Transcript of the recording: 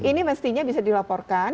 ini mestinya bisa dilaporkan